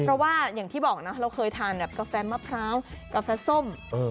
เพราะว่าอย่างที่บอกนะกาแฟมะพร้าวกาแฟส้ม